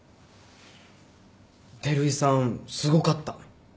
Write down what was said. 照井さんすごかった。